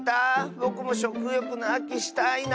ぼくもしょくよくのあきしたいなあ。